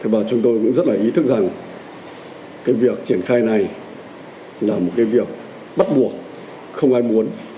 và chúng tôi cũng rất là ý thức rằng cái việc triển khai này là một cái việc bắt buộc không ai muốn